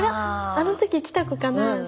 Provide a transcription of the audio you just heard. あの時来た子かなって。